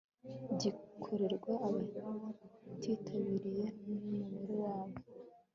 gikorerwa abakitabiriye n umubare wabo